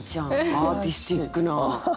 アーティスティックな感想。